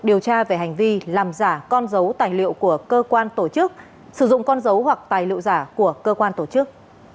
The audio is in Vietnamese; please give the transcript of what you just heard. điều tra về hành vi làm giả con dấu tài liệu của cơ quan tổ chức sử dụng con dấu hoặc tài liệu giả của cơ quan tổ chức